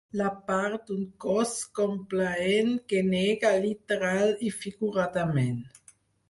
La part d'un cos complaent que nega, literal i figuradament.